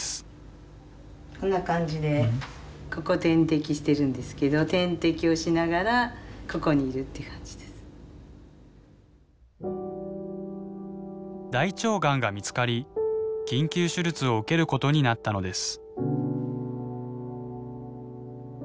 こんな感じでここ点滴してるんですけど大腸がんが見つかり緊急手術を受けることになったのです。